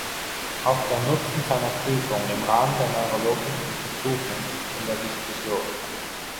Auch der Nutzen seiner Prüfung im Rahmen der neurologischen Untersuchung ist in der Diskussion.